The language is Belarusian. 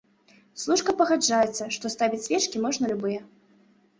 Служка пагаджаецца, што ставіць свечкі можна любыя!